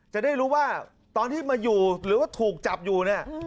จะได้รู้ว่าตอนที่มาอยู่หรือว่าถูกจับอยู่เนี่ย